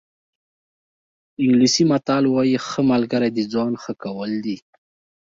انګلیسي متل وایي ښه ملګری د ځان ښه کول دي.